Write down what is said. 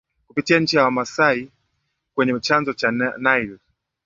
Kupitia nchi ya Wamasai kwenye chanzo cha Nile